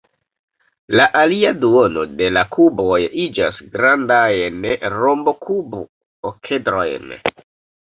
La alia duono de la kuboj iĝas grandajn rombokub-okedrojn.